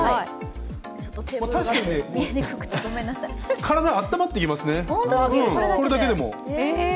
確かに体は温まってきますね、これだけでも。